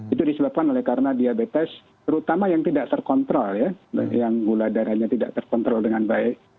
itu disebabkan oleh karena diabetes terutama yang tidak terkontrol ya yang gula darahnya tidak terkontrol dengan baik